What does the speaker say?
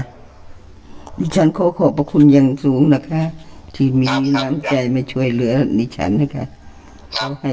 ดิฉันขอขอบพระคุณอย่างสูงนะคะที่มีน้ำใจมาช่วยเหลือดิฉันนะคะ